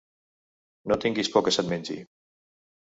No tinguis por que se't mengi.